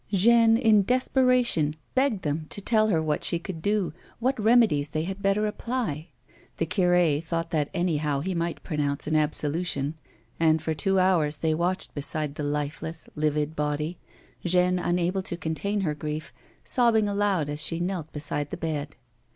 Jeanne, in desperation, begged them to tell her what she could do, what remedies they had better apply. The cure thought that anyhow he might pronounce an absolution, and for two hours they watched beside the lifeless, livid body, Jeanne, unable to contain her grief, sobbing aloud as she knelt beside the bed.